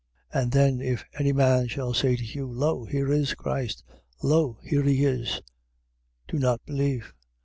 13:21. And then if any man shall say to you: Lo, here is Christ. Lo, he is here: do not believe.